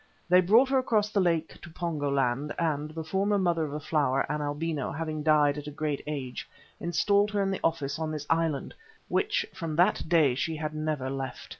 They brought her across the lake to Pongo land and, the former Mother of the Flower, an albino, having died at a great age, installed her in the office on this island, which from that day she had never left.